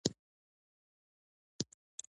حیواناتو خړ پوستکي او اوږدې غاړې درلودې.